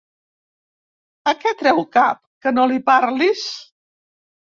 A què treu cap, que no li parlis?